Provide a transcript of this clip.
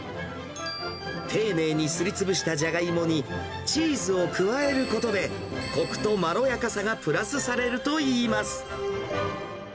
丁寧にすりつぶしたじゃがいもに、チーズを加えることで、こくとまろやかさがプラスされるといいます。